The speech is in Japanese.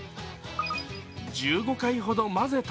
１５回ほど混ぜた